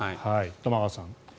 玉川さん。